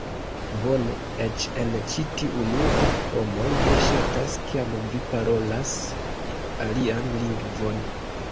Bone! Eĉ en ĉi tiu ludo, homoj ne ŝatas kiam vi parolas alian lingvon.